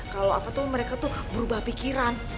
kalau apa tuh mereka tuh berubah pikiran